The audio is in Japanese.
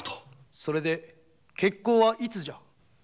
それで決行はいつじゃ？